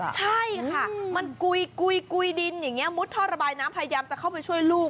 ใช่ค่ะมันกุยดินอย่างนี้มุดท่อระบายน้ำพยายามจะเข้าไปช่วยลูก